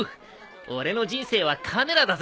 俺の人生はカメラだぜ。